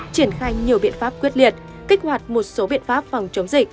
triển khai nhiều biện pháp quyết liệt kích hoạt một số biện pháp phòng chống dịch